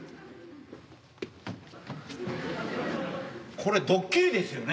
これドッキリですよね？